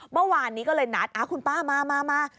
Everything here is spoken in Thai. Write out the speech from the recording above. เมื่อวานนี้ก็เลยนัดคุณป้ามา